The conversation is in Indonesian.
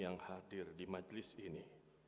yang hadir di majelis ini